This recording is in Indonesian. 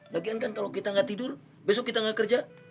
lagian kan kalau kita nggak tidur besok kita nggak kerja